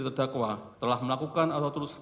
terdakwa telah melakukan atau terus